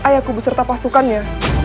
ayahku beserta pasukannya